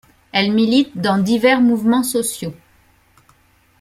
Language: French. Elle milite dans divers mouvements sociaux.